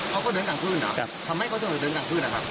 เขาก็เดินกลางคืนหรอทำไมเขาจะเดินกลางคืนหรอครับ